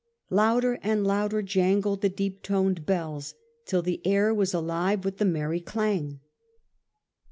Louder and louder jangled the deep toned bells till the air was alive with the merry clang.